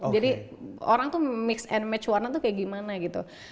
jadi orang tuh mix and match warna tuh kayak gimana gitu